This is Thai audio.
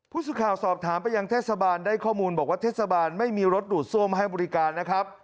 ผู้สื่อข่าวสอบถามไปยังเทศบาลได้ข้อมูลบอกว่าเทศบาลไม่มีรถดูดซ่วมให้บริการนะครับ